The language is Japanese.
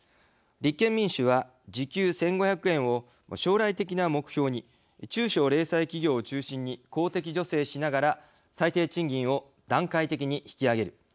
立憲民主は時給１５００円を将来的な目標に中小零細企業を中心に公的助成しながら最低賃金を段階的にひきあげる。